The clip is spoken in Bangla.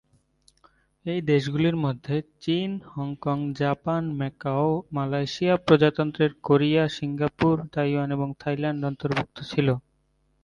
এই দেশগুলির মধ্যে চীন, হংকং, জাপান, ম্যাকাও, মালয়েশিয়া, প্রজাতন্ত্রের কোরিয়া, সিঙ্গাপুর, তাইওয়ান এবং থাইল্যান্ড অন্তর্ভুক্ত ছিল।